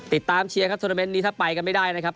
เชียร์ครับโทรเมนต์นี้ถ้าไปกันไม่ได้นะครับ